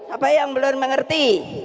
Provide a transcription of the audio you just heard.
apa yang belum mengerti